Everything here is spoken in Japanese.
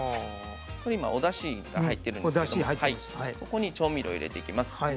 今おだしが入っているのでそこに調味料を入れていきます。